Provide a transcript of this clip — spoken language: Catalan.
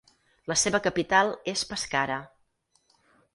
La seva capital és Pescara.